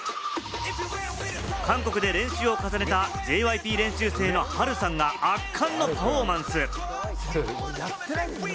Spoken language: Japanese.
韓国で練習を重ねたＪＹＰ練習生のハルさんが圧巻のパフォーマンス。